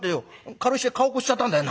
軽石で顔こすっちゃったんだよ」。